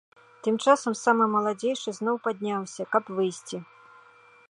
Тым часам самы маладзейшы зноў падняўся, каб выйсці.